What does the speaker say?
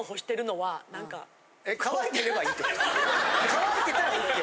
乾いてたらＯＫって。